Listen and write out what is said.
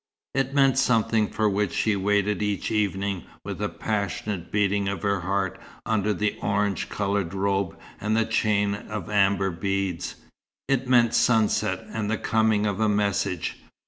It meant something for which she waited each evening with a passionate beating of her heart under the orange coloured robe and the chain of amber beads. It meant sunset and the coming of a message.